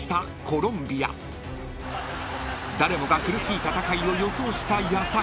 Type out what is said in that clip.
［誰もが苦しい戦いを予想した矢先］